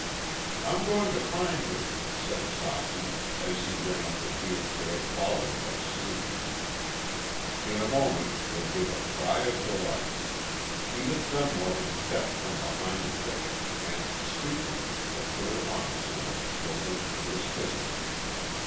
"I'm going to find her," said Socky, as he ran up the deer trail followed by Sue. In a moment they gave a cry of delight. Edith Dunmore had stepped from behind a thicket, and, stooping, had put her arms around the children and was kissing them.